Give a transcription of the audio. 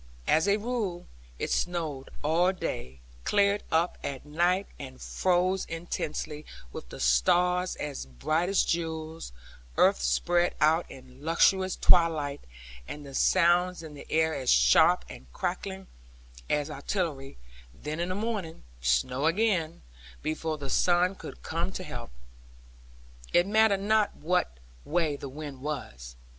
As a rule, it snowed all day, cleared up at night, and froze intensely, with the stars as bright as jewels, earth spread out in lustrous twilight, and the sounds in the air as sharp and crackling as artillery; then in the morning, snow again; before the sun could come to help. It mattered not what way the wind was.